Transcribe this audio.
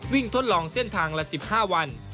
ทดลองเส้นทางละ๑๕วัน